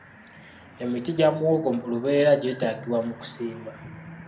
Emiti gya muwogo lubeerera gyetaagibwa mu kusimba